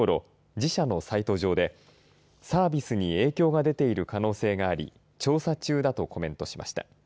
自社のサイト上でサービスに影響が出ている可能性があり調査中だとコメントしました。